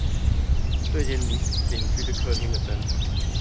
對街鄰居客廳的燈